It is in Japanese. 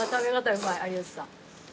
うまい有吉さん。